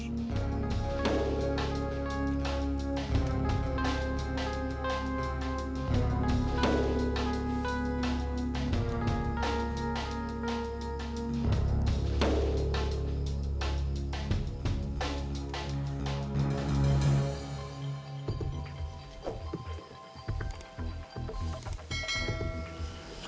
masih belum ada tersedia